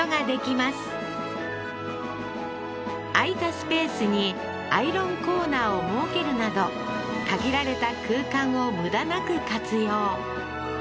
スペースにアイロンコーナーを設けるなど限られた空間を無駄なく活用